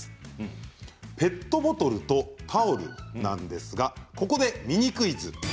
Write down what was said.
ペットボトルとタオルなんですがここで、ミニクイズ